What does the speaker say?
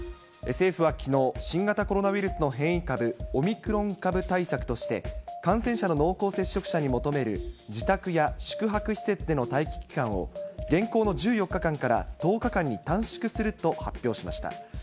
政府はきのう、新型コロナウイルスの変異株、オミクロン株対策として、感染者の濃厚接触者に求める自宅や宿泊施設での待機期間を、現行の１４日間から、１０日間に短縮すると発表しました。